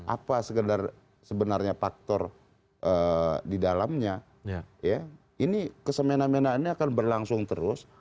apa sebenarnya faktor di dalamnya ini kesemena mena ini akan berlangsung terus